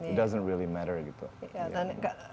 yang lain itu tidak penting